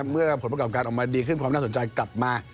เมื่อผลประกอบการออกมาดีขึ้นความน่าสนใจกลับมา